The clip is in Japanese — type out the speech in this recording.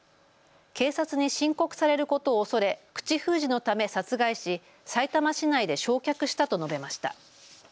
警察に申告されることを恐れ、口封じのため殺害しさいたま市内で焼却したと述べました。